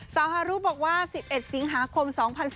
ฮารุบอกว่า๑๑สิงหาคม๒๐๑๙